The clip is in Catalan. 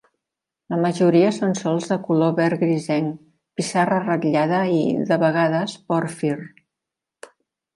La majoria són sòls de color verd grisenc, pissarra ratllada i, de vegades, pòrfir.